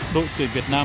đội tuyển việt nam